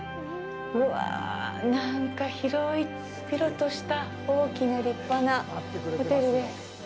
うわあ、なんか広々とした大きな立派なホテルです。